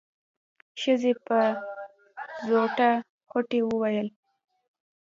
ښځې په زوټه غوټۍ وويل.